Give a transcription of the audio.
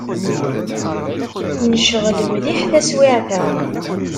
Necɣel mliḥ taswiεt-a.